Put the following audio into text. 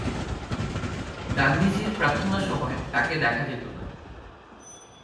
গান্ধীজির প্রার্থনাসভায় তাঁকে দেখা যেত না।